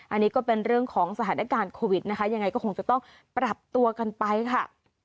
อันนี้ก็เป็นเรื่องของสถานการณ์โควิดนะคะยังไงก็คงจะต้องปรับตัวกันไปค่ะ